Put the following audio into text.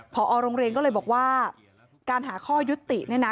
พอโรงเรียนก็เลยบอกว่าการหาข้อยุติเนี่ยนะ